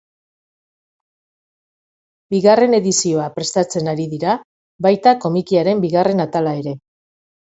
Bigarren edizioa prestatzen ari dira, baita komikiaren bigarren atala ere.